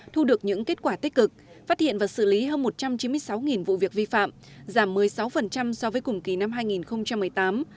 thu được những kết quả tích cực phát hiện và xử lý hơn một trăm chín mươi sáu vụ việc vi phạm giảm một mươi sáu so với cùng kỳ năm hai nghìn một mươi tám